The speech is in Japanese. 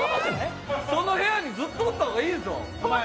その部屋にずっとおった方がいいぞ。